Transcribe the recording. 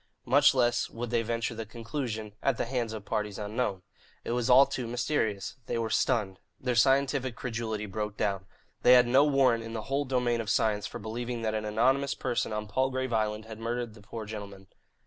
Much less would they venture the conclusion, "at the hands of parties unknown." It was all too mysterious. They were stunned. Their scientific credulity broke down. They had no warrant in the whole domain of science for believing that an anonymous person on Palgrave Island had murdered the poor gentlemen.